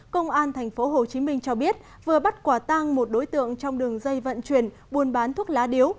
công an tp hcm cho biết vừa bắt quả tang một đối tượng trong đường dây vận chuyển buôn bán thuốc lá điếu